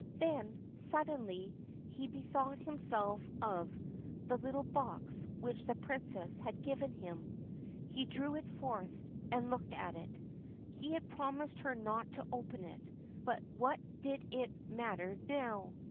Then, suddenly, he bethought himself of the little box which the Princess had given him. He drew it forth and looked at it. He had promised her not to open it, but what did it matter now